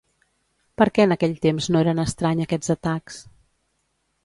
Per què en aquell temps no eren estrany aquests atacs?